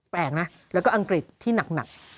แปลกนะแล้วก็อังกฤษที่หนัก